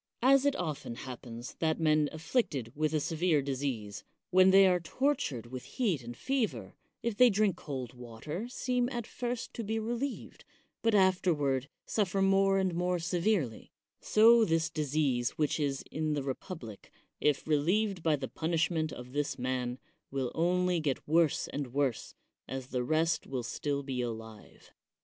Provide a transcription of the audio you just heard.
As it often happens that men afflicted with a severe disease, when they are tortured 111 THE WORLD'S FAMOUS ORATIONS with heat and fever, if they drink cold water, seem af first to be relieved, but afterward suffer more and more severely ; so this disease which is in the republic, if relieved by the punishment of this man, will only get worse and worse, as the rest will be still alive.